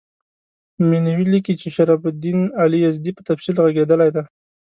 مینوي لیکي چې شرف الدین علي یزدي په تفصیل ږغېدلی دی.